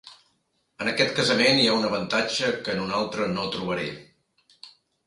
En aquest casament hi ha un avantatge que en un altre no trobaré.